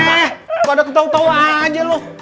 eh pada ketawa ketawa aja lo